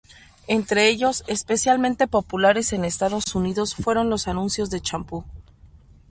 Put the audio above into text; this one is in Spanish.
Entre ellos, especialmente populares en Estados Unidos fueron los anuncios de champú.